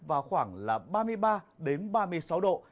vào khoảng là ba mươi ba ba mươi sáu độ